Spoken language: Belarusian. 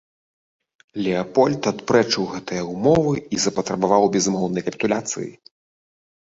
Леапольд адпрэчыў гэтыя ўмовы і запатрабаваў безумоўнай капітуляцыі.